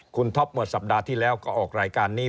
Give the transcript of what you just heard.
คุณท็อปเมื่อสัปดาห์ที่แล้วก็ออกรายการนี้